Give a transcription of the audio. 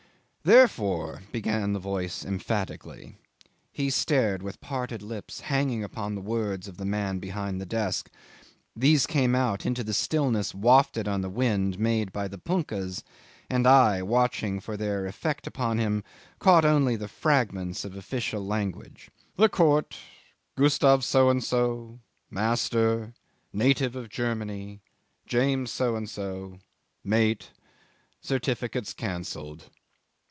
"Therefore, ..." began the voice emphatically. He stared with parted lips, hanging upon the words of the man behind the desk. These came out into the stillness wafted on the wind made by the punkahs, and I, watching for their effect upon him, caught only the fragments of official language. ... "The Court ... Gustav So and so ... master ... native of Germany ... James So and so ... mate ... certificates cancelled."